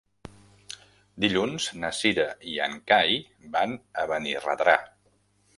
Dilluns na Cira i en Cai van a Benirredrà.